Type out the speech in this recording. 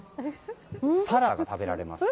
サラダが食べられます。